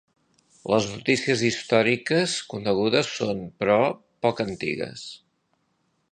Les notícies històriques conegudes són, però, poc antigues.